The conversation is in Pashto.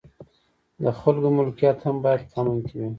د خلکو ملکیت هم باید په امن کې وي.